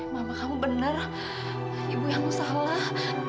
mama kamu benar ibu yang aku salah